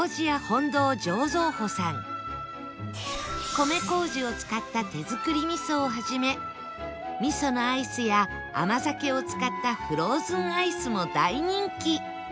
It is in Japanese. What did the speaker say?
米麹を使った手造り味噌をはじめ味噌のアイスや甘酒を使ったフローズンアイスも大人気